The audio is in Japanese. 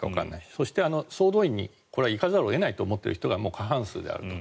そして総動員に行かざるを得ないと思っている人が過半数であると。